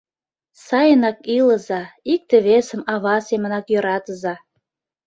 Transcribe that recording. Сайынак илыза, икте-весым ава семынак йӧратыза.